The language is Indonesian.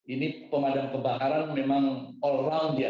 ini pemadam kebakaran memang all round ya